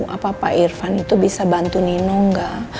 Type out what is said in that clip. apa pak irfan itu bisa bantu nino enggak